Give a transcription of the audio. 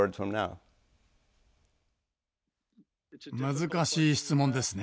難しい質問ですね。